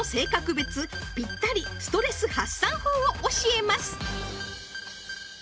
別ぴったりストレス発散法を教えます